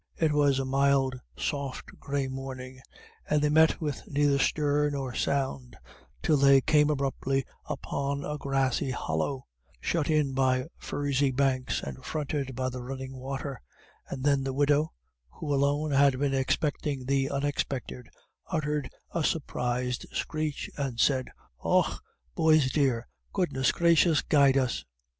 It was a mild soft grey morning, and they met with neither stir nor sound, till they came abruptly upon a grassy hollow, shut in by furzy banks, and fronted by the running water, and then the widow, who alone had been expecting the unexpected, uttered a suppressed screech, and said: "Och, boys dear, goodness gracious guide us!"